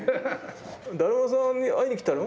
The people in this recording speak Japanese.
「だるまさんに会いに来たの？」